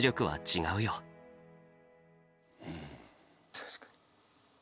確かに。